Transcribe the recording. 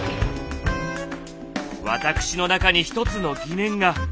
私の中に一つの疑念が。